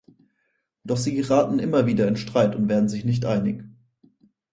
Doch sie geraten immer wieder in Streit und werden sich nicht einig.